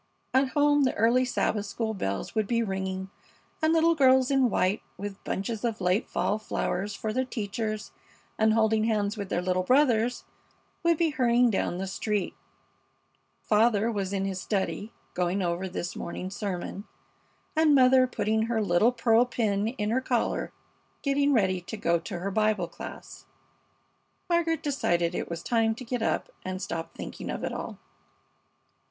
At home the early Sabbath school bells would be ringing, and little girls in white, with bunches of late fall flowers for their teachers, and holding hands with their little brothers, would be hurrying down the street. Father was in his study, going over his morning sermon, and mother putting her little pearl pin in her collar, getting ready to go to her Bible class. Margaret decided it was time to get up and stop thinking of it all.